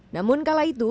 namun kala itu